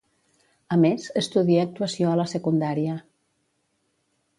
A més, estudie actuació a la secundària.